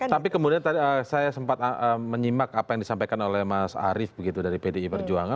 tapi kemudian tadi saya sempat menyimak apa yang disampaikan oleh mas arief begitu dari pdi perjuangan